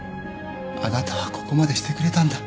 あなたはここまでしてくれたんだ。